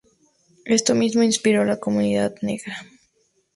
Esto mismo inspiró la comunidad negra.